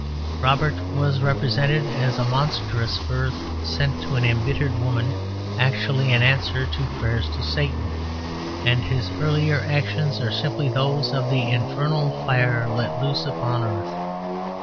Robert was represented as a monstrous birth sent to an embittered woman actually in answer to prayers to Satan, and his earlier actions are simply those of the infernal fire let loose upon earth.